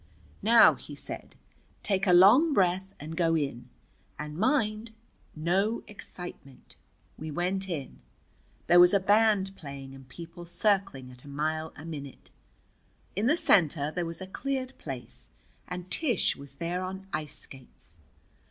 "Now," he said, "take a long breath and go in. And mind no excitement." We went in. There was a band playing and people circling at a mile a minute. In the center there was a cleared place, and Tish was there on ice skates.